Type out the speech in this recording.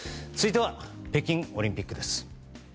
続いては北京オリンピックです。